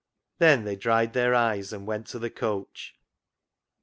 " Then they dried their eyes and went to the coach.